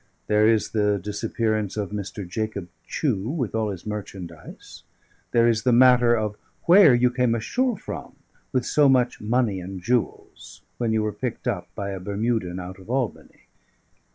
There is the disappearance of Mr. Jacob Chew with all his merchandise; there is the matter of where you came ashore from with so much money and jewels, when you were picked up by a Bermudan out of Albany.